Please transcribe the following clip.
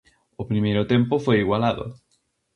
O primeiro tempo foi igualado.